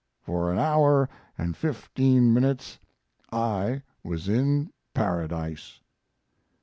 For an hour and fifteen minutes I was in paradise."